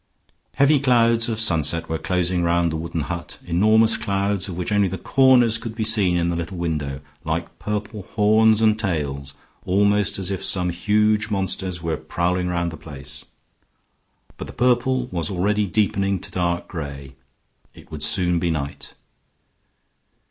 Heavy clouds of sunset were closing round the wooden hut, enormous clouds, of which only the corners could be seen in the little window, like purple horns and tails, almost as if some huge monsters were prowling round the place. But the purple was already deepening to dark gray; it would soon be night.